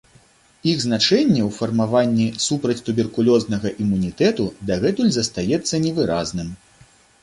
Іх значэнне ў фармаванні супрацьтуберкулёзнага імунітэту дагэтуль застаецца невыразным.